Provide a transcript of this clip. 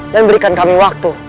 dan berikan kami waktu